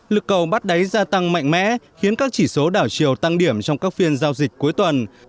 lực cầu bắt đáy gia tăng mạnh mẽ khiến các chỉ số đảo chiều tăng điểm trong các phiên giao dịch cuối tuần